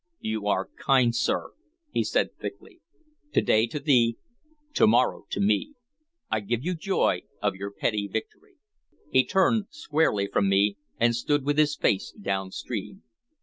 "You are kind, sir," he said thickly. "'To day to thee, to morrow to me.' I give you joy of your petty victory." He turned squarely from me, and stood with his face downstream.